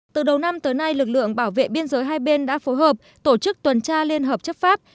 từ đầu năm tới nay lực lượng bảo vệ biên giới hai bên đã phối hợp tổ chức tuần tra liên hợp chấp pháp